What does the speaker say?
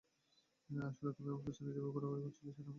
আসলে, তুমি আমার পিছনে যেভাবে ঘোরাঘুরি করছিলে সেটা আমার পছন্দ হয়নি।